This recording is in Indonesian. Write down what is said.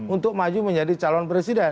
untuk maju menjadi calon presiden